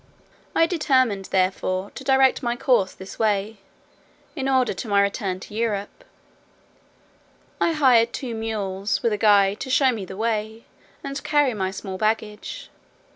I determined therefore to direct my course this way, in order to direct my return to Europe. I hired two mules, with a guide, to show me the way, and carry my small baggage.